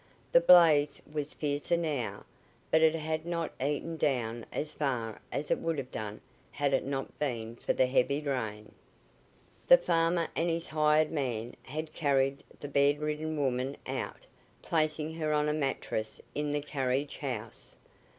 The blaze was fiercer now, but it had not eaten down as far as it would have done had it not been for the heavy rain. The farmer and his hired man had carried the bedridden woman out, placing her on a mattress in the carriage house.